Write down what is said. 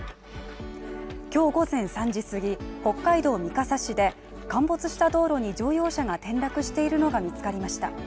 今日午前３時すぎ、北海道三笠市で陥没した道路に乗用車が転落しているのが見つかりました。